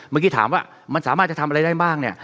เมื่อกี้ถามว่ามันสามารถจะทำอะไรได้บ้างเนี่ย